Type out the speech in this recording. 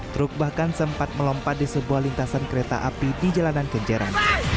truk bahkan sempat melompat di sebuah lintasan kereta api di jalanan kenjeran